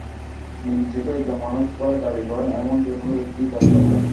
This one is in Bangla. নিজেকে একজন মানুষ বলে দাবি করেন এমন যেকোনো ব্যক্তি তা-ই করবেন।